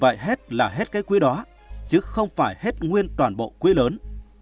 vì vậy hết là hết cái quê đó chứ không phải hết nguyên toàn bộ quê lớn